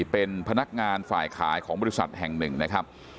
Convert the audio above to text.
เป็นพนักงานฝ่ายขายของบริษัทแห่งหนึ่งนะครับ